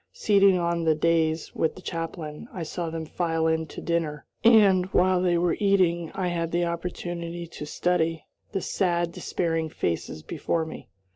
Seated on the dais with the chaplain, I saw them file in to dinner, and, while they were eating, I had an opportunity to study the sad, despairing faces before me.